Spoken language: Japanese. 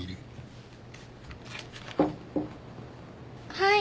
・はい。